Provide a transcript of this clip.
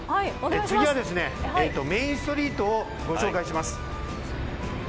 次はメーンストリートをご紹介します。